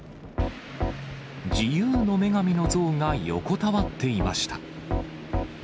自由の女神の像が横たわっていました。